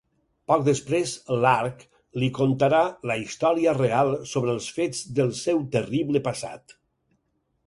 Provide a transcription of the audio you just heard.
Poc després, l'Arc li contarà la història real sobre els fets del seu terrible passat.